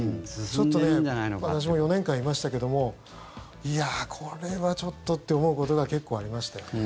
私も４年間いましたけどもこれはちょっとって思うことが結構ありましたね。